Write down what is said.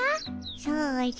そうじゃ。